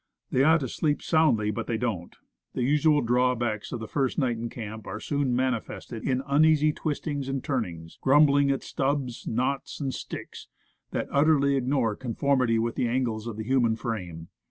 They ought to sleep soundly, but they don't. The usual draw backs of a first night in camp are soon manifested in uneasy twistings and turnings, grumbling at stubs, knots, and sticks, that utterly ignore conformity with the angles of the human frame.